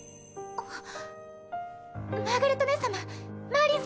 あっ。